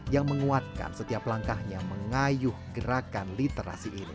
yang menguatkan setiap langkahnya mengayuh gerakan literasi ini